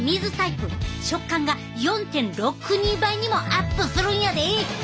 食感が４．６２倍にもアップするんやで！